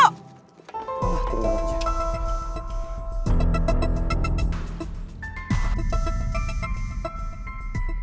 wah tiba tiba aja